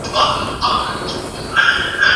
تل لاسونه په صابون ووينځئ.